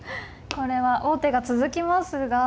これは王手が続きますが。